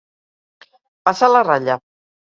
Passar la ratlla.